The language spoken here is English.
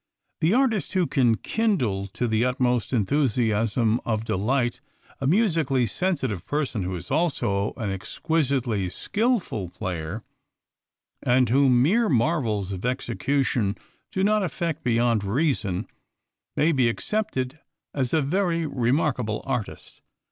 The artist who can kindle to the utmost enthusiasm of delight a musically sensitive person who is also an exquisitely skilful player, and whom mere marvels of execution do not affect beyond reason, may be accepted as a very remarkable artist.